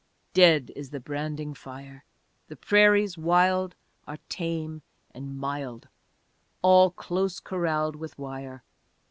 Dead is the branding fire. The prairies wild are tame and mild All close corralled with wire.